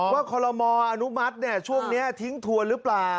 คอลโลมออนุมัติช่วงนี้ทิ้งทวนหรือเปล่า